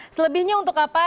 selebihnya untuk apa